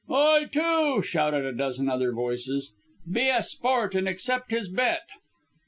"I too!" shouted a dozen other voices. "Be a sport and accept his bet!"